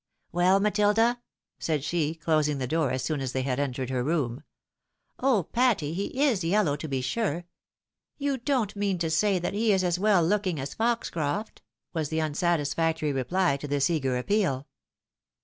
" Well, MatUda ?" said she, closing the door as soon as they had entered her room. " Oh, Patty ! he is yellow to be sure. You don't mean to say that he is as well looking as Foxcroft ?" was the unsatis factory reply to this eager appeal.